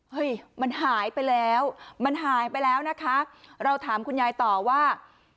เฮ้ยมันหายไปแล้วมันหายไปแล้วนะคะเราถามคุณยายต่อว่า